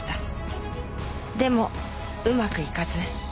でもうまくいかず。